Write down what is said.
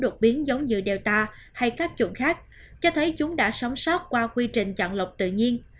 đột biến giống như delta hay các chủng khác cho thấy chúng đã sống sót qua quy trình chặn lọc tự nhiên